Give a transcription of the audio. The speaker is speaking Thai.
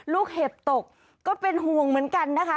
เห็บตกก็เป็นห่วงเหมือนกันนะคะ